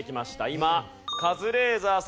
今カズレーザーさんがトップ。